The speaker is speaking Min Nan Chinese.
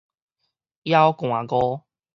枵寒餓